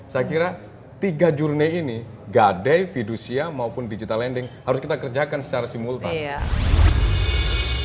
saya kira tiga jurna ini gade fidusia maupun digital lending harus kita kerjakan secara simultan